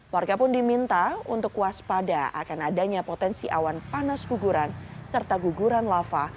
warga pun diminta untuk waspada akan adanya potensi awan panas guguran serta guguran lava